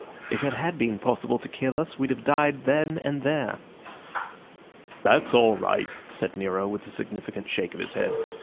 If it had been possible to kill us we'd have died then and there." "That's all right," said Nero, with a significant shake of his head.